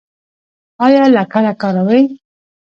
ایا لکړه کاروئ؟